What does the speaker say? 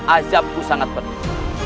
azabku sangat penting